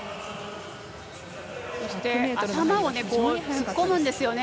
そして頭も突っ込むんですよね。